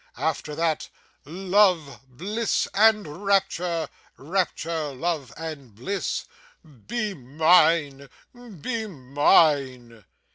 After that, love, bliss and rapture; rapture, love and bliss. Be mine, be mine!